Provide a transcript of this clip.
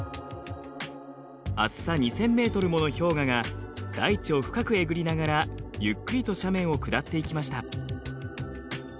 厚さ２，０００ｍもの氷河が大地を深くえぐりながらゆっくりと斜面を下っていきました。